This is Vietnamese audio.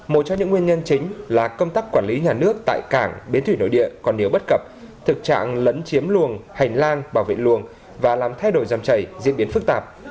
một trong những nguyên nhân chính là công tác quản lý nhà nước tại cảng bến thủy nội địa còn nhiều bất cập thực trạng lấn chiếm luồng hành lang bảo vệ luồng và làm thay đổi dòng chảy diễn biến phức tạp